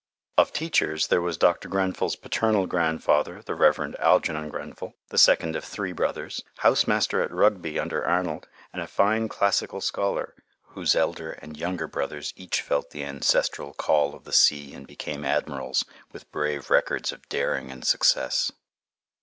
Of teachers, there was Dr. Grenfell's paternal grandfather, the Rev. Algernon Grenfell, the second of three brothers, house master at Rugby under Arnold, and a fine classical scholar, whose elder and younger brothers each felt the ancestral call of the sea and became admirals, with brave records of daring and success.